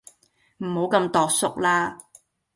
唔好咁庹縮啦